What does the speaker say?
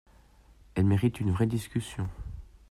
Elle mérite une vraie discussion.